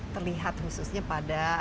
terlihat khususnya pada